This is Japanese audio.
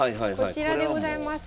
こちらでございます。